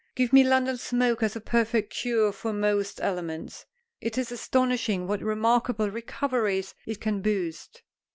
Give me London smoke as a perfect cure for most ailments. It is astonishing what remarkable recoveries it can boast.